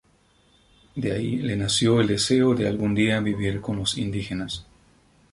De ahí le nació el deseo de algún día vivir con los indígenas.